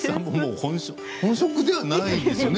本職ではないですよね？